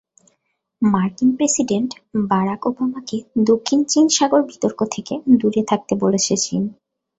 মার্কিন president Barack ওবামাকে দক্ষিণ চীন সাগর বিতর্ক থেকে দূরে থাকতে বলেছে চীন।